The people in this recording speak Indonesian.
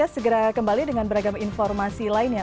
segera kembali dengan beragam informasi lainnya